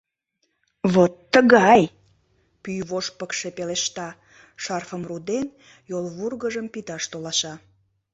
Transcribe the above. — Вот тыгай! — пӱй вошт пыкше пелешта, шарфым рӱден, йолвургыжым пидаш толаша.